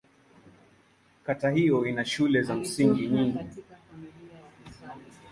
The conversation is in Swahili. Kata hiyo ina shule za msingi nyingi.